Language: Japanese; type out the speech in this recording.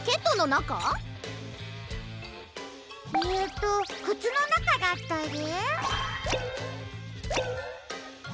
えっとくつのなかだったり？